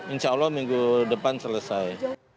insya allah minggu depan selesai